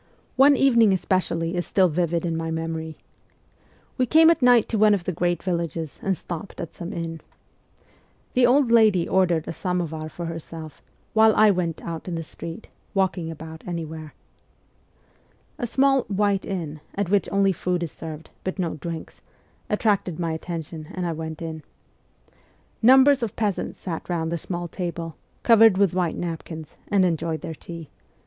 One evening especially is still vivid in my memory. We came at night to one of the great villages and stopped at some inn. The old lady ordered a samovar for herself, while I went out in the street, walking about anywhere. A small ' white inn ' at which only food is served, but no drinks, attracted my attention and I went in. Numbers of peasants sat THE CORPS OF PAGES 125 round the small tables, covered with white napkins, and enjoyed their tea.